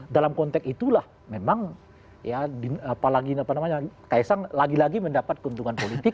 dalam konteks itulah memang ya apalagi kaisang lagi lagi mendapat keuntungan politik